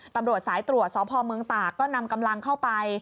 ตำรวจสายตรวจสพเมืองตากก็นำกำลังเข้าไป